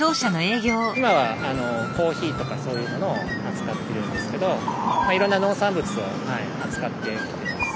今はコーヒーとかそういうものを扱ってるんですけどいろんな農産物を扱ってきてます。